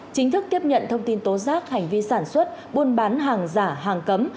chính thức tiếp nhận thông tin tố giác hành vi sản xuất buôn bán hàng giả hàng cấm